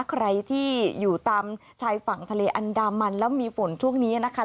ใครที่อยู่ตามชายฝั่งทะเลอันดามันแล้วมีฝนช่วงนี้นะคะ